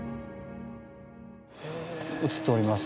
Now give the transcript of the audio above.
映っております